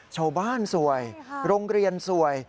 ชาวบ้านสวยโรงเรียนสวย